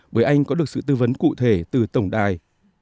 bởi anh có được sự tư vấn cụ thể từ tổng đài